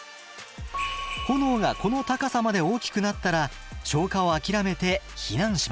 炎がこの高さまで大きくなったら消火を諦めて避難しましょう！